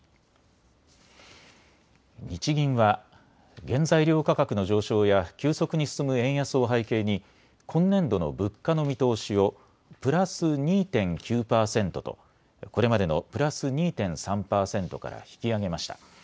日銀は原材料価格の上昇や急速に進む円安を背景に今年度の物価の見通しをプラス２．９％とこれまでのプラス２．３％から引き上げました。